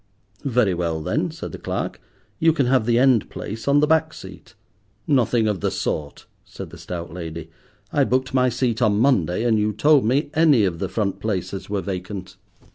"Very well then," said the clerk, "you can have the end place on the back seat." "Nothing of the sort," said the stout lady. "I booked my seat on Monday, and you told me any of the front places were vacant.